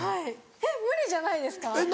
えっ無理じゃないですか？